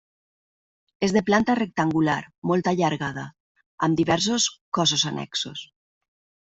És de planta rectangular, molt allargada, amb diversos cossos annexos.